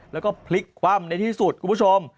แล้วก็พลิกคว่ำในที่สุดคุณผู้ชม